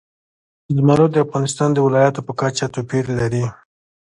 زمرد د افغانستان د ولایاتو په کچه توپیر لري.